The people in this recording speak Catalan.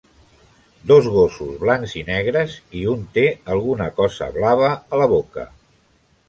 Dos gossos blancs i negres, i un té alguna cosa blava a la boca.